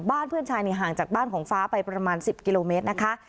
บ้านเพื่อนชายเนี่ยห่างจากบ้านของฟ้าไปประมาณสิบกิโลเมตรนะคะ